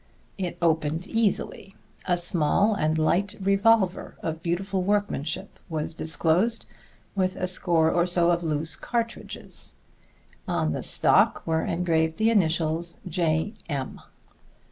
It opened easily. A small and light revolver of beautiful workmanship was disclosed, with a score or so of loose cartridges. On the stock were engraved the initials "J. M."